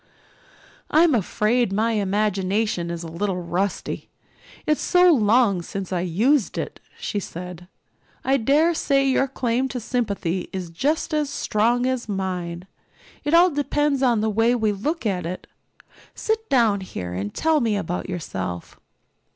"I'm afraid my imagination is a little rusty it's so long since I used it," she said. "I dare say your claim to sympathy is just as strong as mine. It all depends on the way we look at it. Sit down here and tell me about yourself."